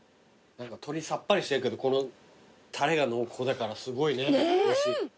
鶏さっぱりしてるけどこのたれが濃厚だからすごいねおいしい。